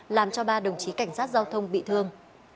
làm cho ba đồng chí cảnh sát giao thông bị thương